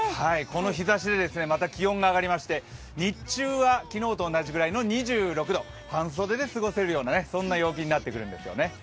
この日ざしで、また気温が上がりまして日中は昨日と同じぐらいの２６度、半袖で過ごせるような陽気になってくるんですね。